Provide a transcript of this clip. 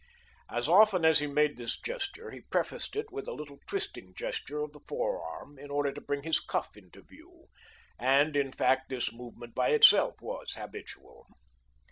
As often as he made this gesture, he prefaced it with a little twisting gesture of the forearm in order to bring his cuff into view, and, in fact, this movement by itself was habitual.